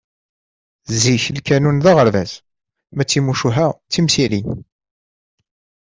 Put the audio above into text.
Zik, lkanun d aɣerbaz ma d timucuha d timsirin.